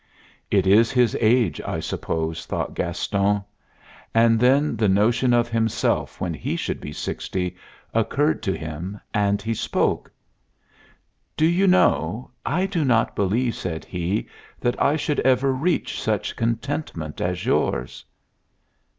"It is his age, I suppose," thought Gaston. And then the notion of himself when he should be sixty occurred to him, and he spoke. "Do you know, I do not believe," said he, "that I should ever reach such contentment as yours."